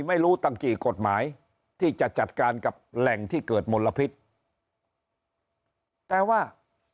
ไม่รู้ตั้งกี่กฎหมายที่จะจัดการกับแหล่งที่เกิดมลพิษแต่ว่า